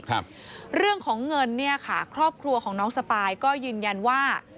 ครับเรื่องของเงินเนี่ยค่ะครอบครัวของน้องสปายก็ยืนยันว่า